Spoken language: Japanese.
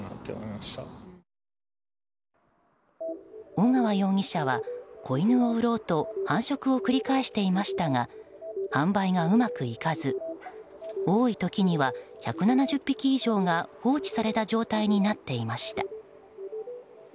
尾川容疑者は、子犬を売ろうと繁殖を繰り返していましたが販売がうまくいかず多い時には１７０匹以上が放置された状態になっていました。